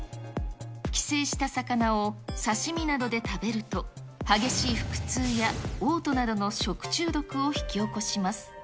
寄生した魚を刺身などで食べると、激しい腹痛やおう吐などの食中毒を引き起こします。